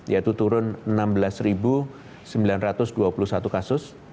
yaitu turun enam belas sembilan ratus dua puluh satu kasus